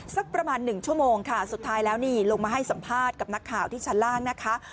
สักประมาณ๑ชั่วโมงค่ะสุดท้ายแล้วนี่ลงมาให้สัมภาษณ์กับนักข่าวที่ชั้นล่างนะคะ